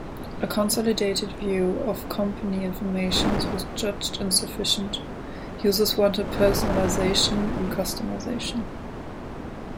A consolidated view of company information was judged insufficient; users wanted personalization and customization.